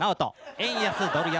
円安ドル安